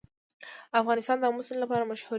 افغانستان د آمو سیند لپاره مشهور دی.